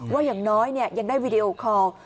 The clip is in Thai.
อย่างน้อยยังได้วีดีโอคอล